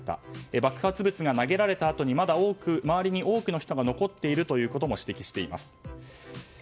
爆発物が投げられたあとにまだ周りに多くの人が残っているということも指摘しています。